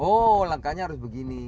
oh langkahnya harus begini